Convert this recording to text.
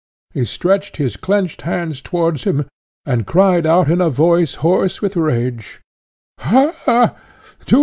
He stretched his clenched hands towards him, and cried out in a voice hoarse with rage "Ha!